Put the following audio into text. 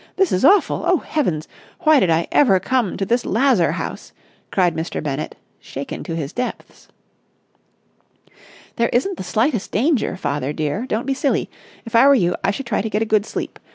this is awful!... Oh, heavens! Why did I ever come to this lazar house!" cried Mr. Bennett, shaken to his depths. "There isn't the slightest danger, father, dear. Don't be silly. If I were you, I should try to get a good sleep.